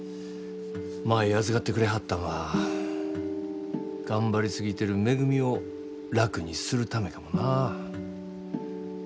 舞預かってくれはったんは頑張り過ぎてるめぐみを楽にするためかもな。